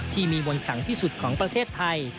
ที่มีบนขังที่สุดของประเทศไทย